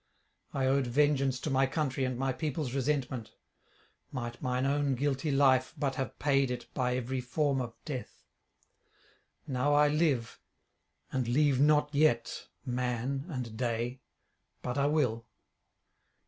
I owed vengeance to my country and my people's resentment; might mine own guilty life but have paid it by every form of death! Now I live, and leave not yet man and day; but I will.'